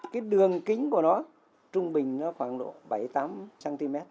cái đường kính của nó trung bình nó khoảng độ bảy mươi tám cm